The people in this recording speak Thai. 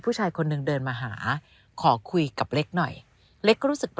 ผู้ชายคนหนึ่งเดินมาหาขอคุยกับเล็กหน่อยเล็กก็รู้สึก